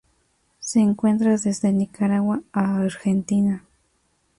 Se encuentra desde Nicaragua a Argentina.